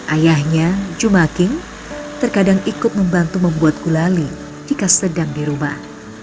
ayahnya jumaking terkadang ikut membantu membuat gulali jika sedang di rumah